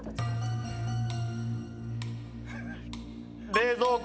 冷蔵庫